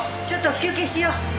ちょっと休憩しよう。